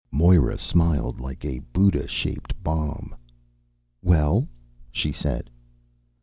_" Moira smiled, like a Buddha shaped bomb. "Well?" she said.